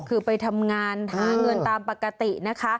คือไปทำงานหาเงินตามปกตินะคะ